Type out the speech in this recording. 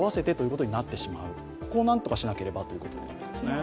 ここを何とかしなければということになりますね。